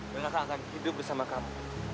kakak akan hidup bersama kamu